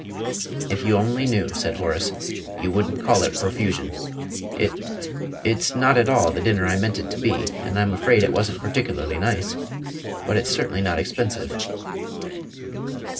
"If you only knew," said Horace, "you wouldn't call it profusion. It it's not at all the dinner I meant it to be, and I'm afraid it wasn't particularly nice but it's certainly not expensive."